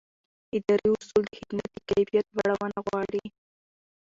اداري اصول د خدمت د کیفیت لوړونه غواړي.